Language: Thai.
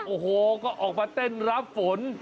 โอ้โหก็ออกมาเต้นรับฝน